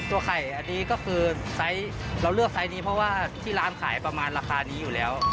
ตัวไข่อันนี้ก็คือไซส์เราเลือกไซส์นี้เพราะว่าที่ร้านขายประมาณราคานี้อยู่แล้ว